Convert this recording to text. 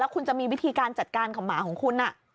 คุณจะมีวิธีการจัดการของหมาของคุณ